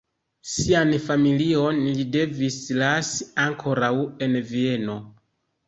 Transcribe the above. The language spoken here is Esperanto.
Sian familion li devis lasi ankoraŭ en Vieno.